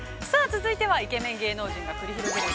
続いてはイケメン芸能人が繰り広げる